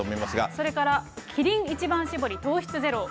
それからキリン一番搾り糖質ゼロ。